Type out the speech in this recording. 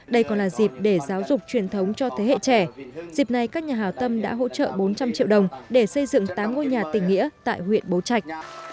đây còn là dịp để giáo dục truyền thống cho thế hệ trẻ dịp này các nhà hào tâm đã hỗ trợ bốn trăm linh triệu đồng để xây dựng tám ngôi nhà tỉnh nghĩa tại huyện bố trạch